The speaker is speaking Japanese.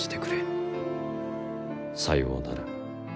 さようなら。